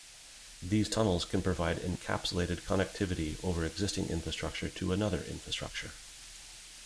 These tunnels can provide encapsulated connectivity over existing infrastructure to another infrastructure.